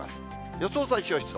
予想最小湿度。